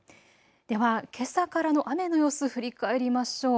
ではけさからの雨の様子振り返りましょう。